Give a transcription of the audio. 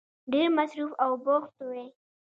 ډېر مصروف او بوخت وی